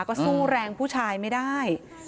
ก็สู้แรงผู้ชายไม่ได้